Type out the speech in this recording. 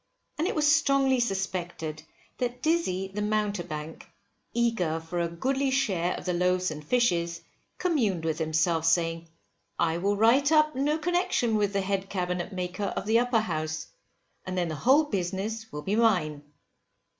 And it was strongly suspected that Dizzy the Mountebank, eager for a goodly share of the loaves and fishes, communed with himself, saying, I will write up no connection with the head Cabinet Maker of the Upper House, and then the whole business will be mine.